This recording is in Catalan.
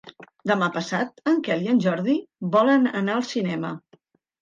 Demà passat en Quel i en Jordi volen anar al cinema.